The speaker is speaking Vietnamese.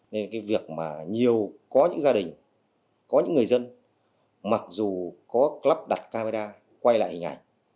nên cái việc mà nhiều có những gia đình có những người dân mặc dù có lắp đặt camera quay lại hình ảnh